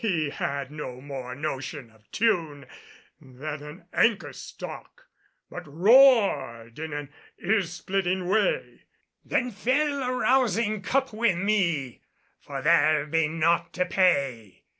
He had no more notion of tune than an anchor stock, but roared in an ear splitting way: "Then fill a rousing cup wi' me, For there be naught to pay!